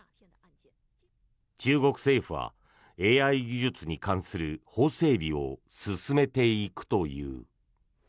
中国政府はＡＩ技術に関する法整備を進めていくという。